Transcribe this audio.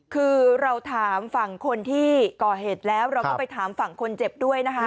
คือเราถามฝั่งคนที่ก่อเหตุแล้วเราก็ไปถามฝั่งคนเจ็บด้วยนะคะ